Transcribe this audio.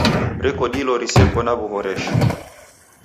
Reko dilo riseko na w'uhoreshi.